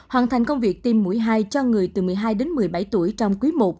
hoàn thành công việc tiêm mũi hai cho người từ một mươi hai đến một mươi bảy tuổi trong quý i